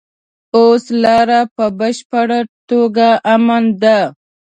اوس لاره په بشپړه توګه امن ده.